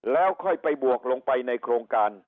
แล้วค่อยไปบวกลงไปในโครงการ